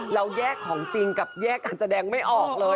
เราแยกของจริงกับแยกการแสดงไม่ออกเลย